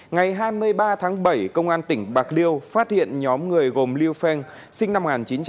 ngày hai mươi ba tháng bảy công an tỉnh bạc liêu phát hiện nhóm người gồm liu feng sinh năm một nghìn chín trăm tám mươi sáu